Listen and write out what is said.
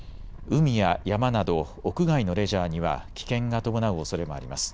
海や山など屋外のレジャーには危険が伴うおそれもあります。